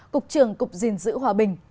cục trưởng cục dình dữ hòa bình